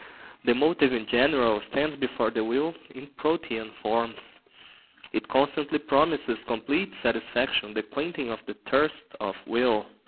The motive in general stands before the will in protean forms. It constantly promises complete satisfaction, the quenching of the thirst of will.